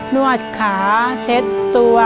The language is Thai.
นวดขาเช็ดตัว